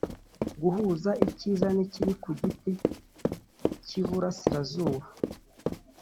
guhuza icyiza n'ikibi ku giti cy'iburasirazuba;